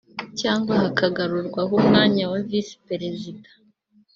cyangwa hakagarurwaho umwanya wa visi Perezida